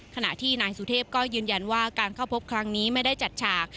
ขณะที่นายสุเทพก็ยืนยันว่าการเข้าพบครั้งนี้ไม่ได้จัดฉาก